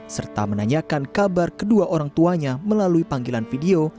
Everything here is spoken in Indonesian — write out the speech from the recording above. serta menanyakan kabar kedua orang tuanya melalui panggilan video